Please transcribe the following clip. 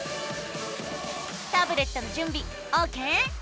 タブレットのじゅんびオーケー？